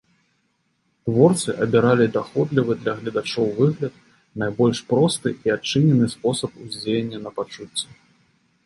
Творцы абіралі даходлівы для гледачоў выгляд, найбольш просты і адчынены спосаб уздзеяння на пачуцці.